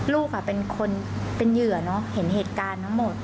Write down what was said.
ลูกเป็นคนเป็นเหยื่อเนอะเห็นเหตุการณ์ทั้งหมด